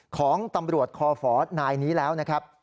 ของตำรวจคอฝนายนี้แล้วนะครับ